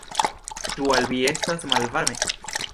Ĉu al vi estas malvarme?